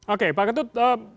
oke pak ketut